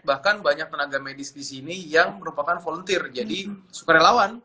bahkan banyak tenaga medis di sini yang merupakan volunteer jadi sukarelawan